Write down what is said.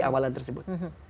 di amalan tersebut